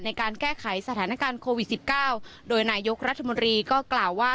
ในการแก้ไขสถานการณ์โควิด๑๙โดยนายกรัฐมนตรีก็กล่าวว่า